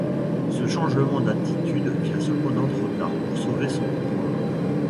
Ce changement d'attitude vient cependant trop tard pour sauver son pouvoir.